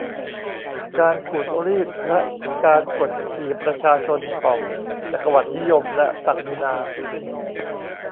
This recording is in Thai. การขูดรีดและการกดขี่ประชาชนของจักรวรรดินิยมและศักดินา